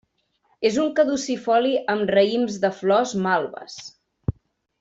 És un caducifoli amb raïms de flors malves.